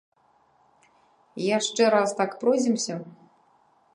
Яшчэ раз так пройдземся?